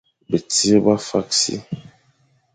Betsir ba fakh si.